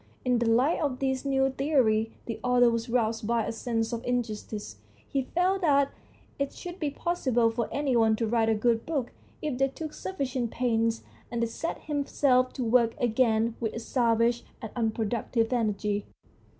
In the light of this new theory the author was roused by a sense of injustice. He felt that it should be possible for any one to write a good book THE STOEY OF A BOOK 145 if they took sufficient pains, and he set him self to work again with a savage and unpro ductive energy.